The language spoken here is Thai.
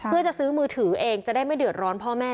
เพื่อจะซื้อมือถือเองจะได้ไม่เดือดร้อนพ่อแม่